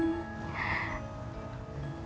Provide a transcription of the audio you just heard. sama kinanti yang harus datang ke sini